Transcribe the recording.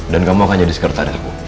dan kamu akan jadi sekretaris aku